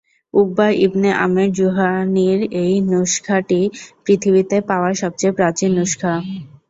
Uqba ibn Amir জুহানীর এই নুসখাটি পৃথিবীতে পাওয়া সবচেয়ে প্রাচীন নুসখা।